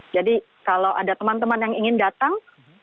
jadi kalau ada teman teman yang ingin datang